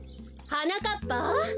・はなかっぱ！